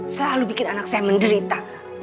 selalu bikin anak saya menderita